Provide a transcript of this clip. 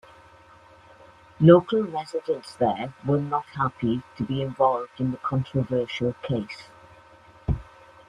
Local residents there were not happy to be involved in the controversial case.